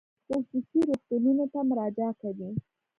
خلک خصوصي روغتونونو ته مراجعه کوي.